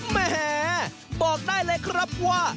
แหมบอกได้เลยครับว่า